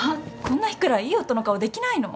こんな日ぐらいいい夫の顔できないの？